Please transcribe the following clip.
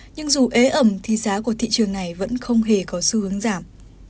nhưng dù ế ẩm thì giá của thị trường này vẫn không hề có xu hướng giảm